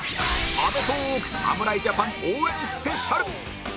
『アメトーーク』侍ジャパン応援スペシャル